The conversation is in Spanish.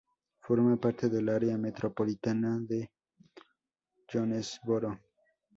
Forma parte del área metropolitana de Jonesboro.